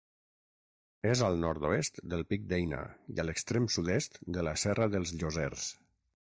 És al nord-oest del Pic d'Eina i a l'extrem sud-est de la Serra dels Llosers.